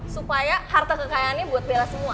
supaya harta kekayaannya buat bela semua